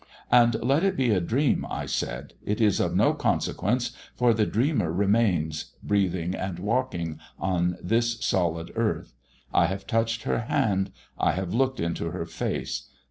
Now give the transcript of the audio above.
"And let it be a dream," I said. "It is of no consequence, for the dreamer remains, breathing and walking on this solid earth. I have touched her hand, I have looked into her face.